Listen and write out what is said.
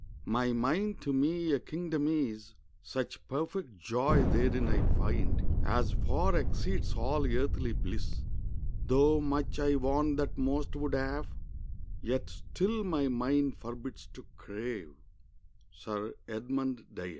] "My mind to me a kingdom is; Such perfect joy therein I find As far exceeds all earthly bliss. Though much I want that most would have, Yet still my mind forbids to crave." —SIR EDMUND DYER.